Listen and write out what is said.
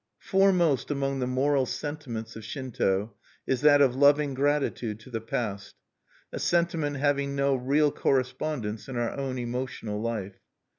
Foremost among the moral sentiments of Shinto is that of loving gratitude to the past, a sentiment having no real correspondence in our own emotional life.